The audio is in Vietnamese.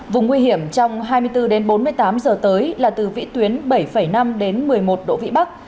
vùng nguy hiểm trong hai mươi bốn đến bốn mươi tám giờ tới là từ vĩ tuyến bảy năm đến một mươi một độ vĩ bắc